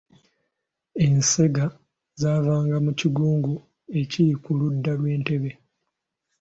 Ensega zaavanga mu Kigungu ekiri ku ludda lw’e Entebbe.